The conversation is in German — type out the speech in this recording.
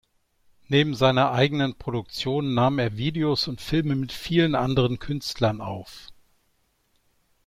Neben seinen eigenen Produktionen nahm er Videos und Filme mit vielen anderen Künstlern auf.